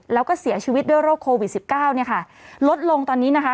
แล้วก็เสียชีวิตด้วยโรคโควิด๑๙ลดลงตอนนี้นะคะ